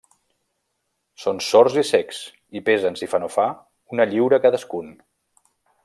Són sords i cecs i pesen, si fa no fa, una lliura cadascun.